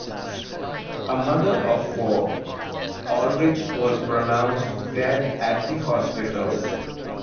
A mother of four, Aldridge was pronounced dead at the hospital.